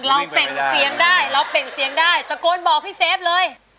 เปล่งเสียงได้เราเปล่งเสียงได้ตะโกนบอกพี่เซฟเลย